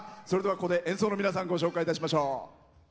それではここで演奏の皆さんご紹介いたしましょう。